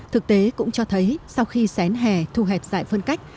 thực tế cũng cho thấy sau khi xén hè thu hẹp giải phân cách